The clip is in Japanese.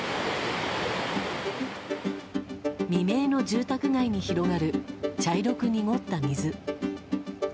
未明の住宅街に広がる茶色く濁った水。